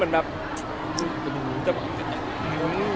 มันก็แบบเป็นเรื่องแปลกเหมือนกัน